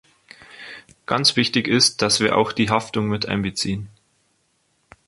Ganz wichtig ist, dass wir auch die Haftung mit einbeziehen.